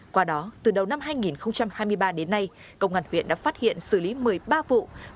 qua đó từ đầu năm hai nghìn hai mươi ba đến nay công an huyện đã phát hiện xử lý một mươi ba vụ